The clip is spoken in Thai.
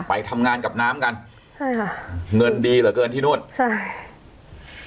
ไปทำงานกับน้ำกันใช่ค่ะเงินดีเหลือเกินที่นู่นใช่